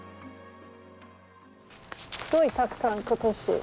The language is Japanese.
すごいたくさん今年。